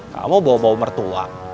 kamu bawa bawa mertua